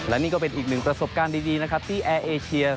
และนี่ก็เป็นอีกหนึ่งประสบการณ์ดีนะครับที่แอร์เอเชีย